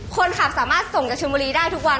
คนขับสามารถส่งจากชนบุรีได้ทุกวัน